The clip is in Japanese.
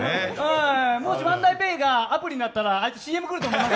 もしワンダーペイがアプリになったらあいつＣＭになると思います。